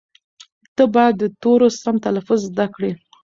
ته باید د تورو سم تلفظ زده کړې.